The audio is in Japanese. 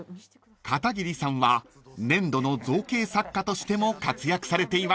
［片桐さんは粘土の造形作家としても活躍されています］